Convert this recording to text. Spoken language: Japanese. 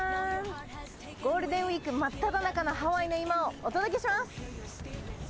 ゴールデンウィーク真っ只中のハワイの今をお届けします。